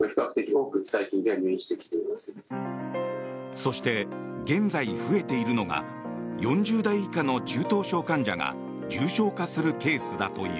そして、現在増えているのが４０代以下の中等症患者が重症化するケースだという。